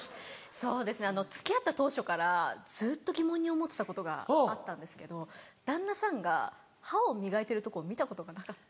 そうですね付き合った当初からずっと疑問に思ってたことがあったんですけど旦那さんが歯を磨いてるとこを見たことがなかった。